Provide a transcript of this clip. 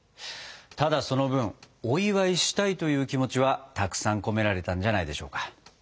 ただその分お祝いしたいという気持ちはたくさん込められたんじゃないでしょうか。